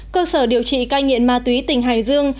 cơ sở điều trị ca nhiễn ma túy tỉnh hải dương